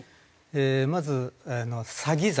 まず詐欺罪。